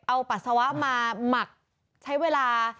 เอาปัสสาวะมาหมักใช้เวลา